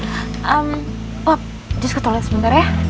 pop jes ke toilet sebentar ya